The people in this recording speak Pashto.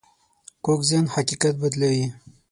کوږ ذهن حقیقت بدلوي